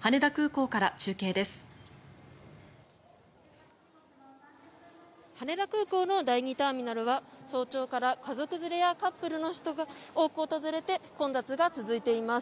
羽田空港の第２ターミナルは早朝から家族連れやカップルの人が多く訪れて混雑が続いています。